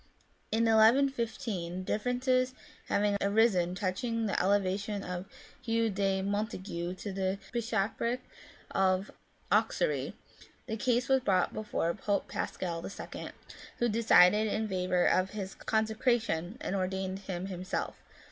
In 1 1 IS, differences having arisen touching the elevation of Hugh de Montaigu to the Bishopric of Auxerre, the case was brought before Pope Pascal n., who decided in favour of his consecration, and ordained him himself.